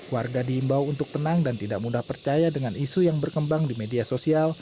warga diimbau untuk tenang dan tidak mudah percaya dengan isu yang berkembang di media sosial